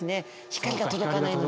光が届かないので。